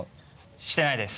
してないです。